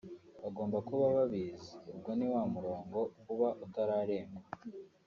bagomba kuba babizi ubwo ni wa murongo uba utararengwa